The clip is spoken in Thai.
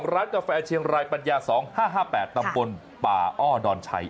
กาแฟเชียงรายปัญญา๒๕๕๘ตำบลป่าอ้อดอนชัย